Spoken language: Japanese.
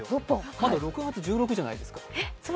まだ６月１６じゃないですか。